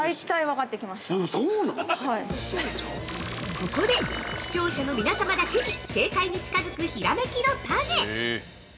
◆ここで視聴者の皆様だけに正解に近づくひらめきのタネ！